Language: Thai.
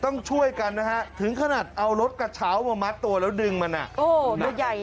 ต้องช่วยกันนะฮะถึงขนาดเอารถกัตชาวม้ำมัดตัวแล้วดึงมันไง